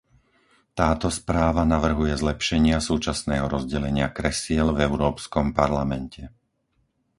Táto správa navrhuje zlepšenia súčasného rozdelenia kresiel v Európskom parlamente.